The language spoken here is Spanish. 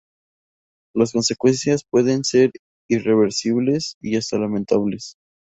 Las consecuencias pueden ser irreversibles y hasta lamentables.